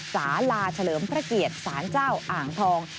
สาลาเฉลิมพระเกียรติศาลเจ้าอ่างทอง